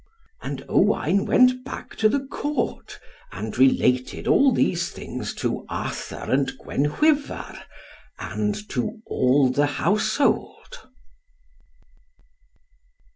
And Owain went back to the Court, and related all these things to Arthur and Gwenhwyvar, and to all the household.